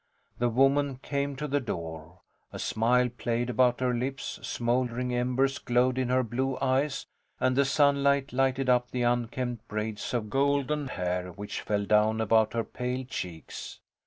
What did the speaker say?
The woman came to the door. A smile played about her lips, smouldering embers glowed in her blue eyes, and the sunlight lighted up the unkempt braids of golden hair which fell down about her pale cheeks.